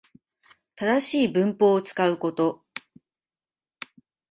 正しい文法を使うこと